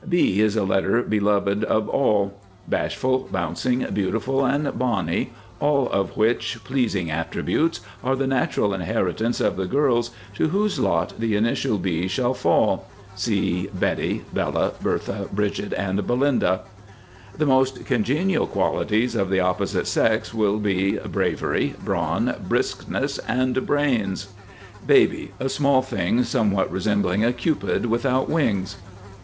B is a letter beloved of all. Bashful, Bouncing, Beautiful, and Bonny, all of which pleasing attributes are the natural inheritance of the girls to whose lot the initial B shall fall. See Betty, Bella, Bertha, Bridget, and Belinda. The most congenial qualities of the opposite sex will be Bravery, Brawn, Briskness, and Brains. BABY. A small thing somewhat resembling a cupid without wings.